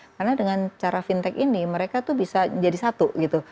karena dengan cara fintech ini mereka tuh bisa jadi satu gitu